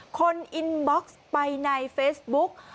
อินบ็อกซ์ไปในเฟซบุ๊ก